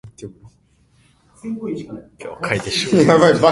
対面科目